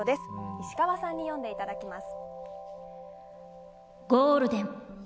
石川さんに読んでいただきます。